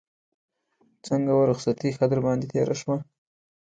څنګه وه رخصتي ښه در باندې تېره شوه.